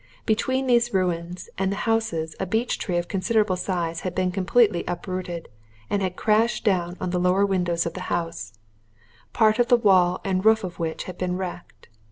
Between these ruins and the house a beech tree of considerable size had been completely uprooted, and had crashed down on the lower windows of the house, part of the wall and roof of which had been wrecked.